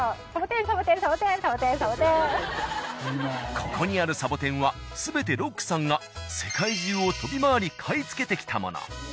ここにあるサボテンは全てロックさんが世界中を飛び回り買い付けてきたもの。